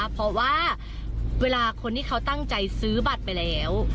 เพราะว่าเวลาคนที่เขาตั้งใจซื้อบัตรไปแล้ว